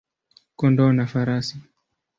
kondoo na farasi.